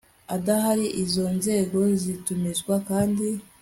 adahari izo nzego zitumizwa kandi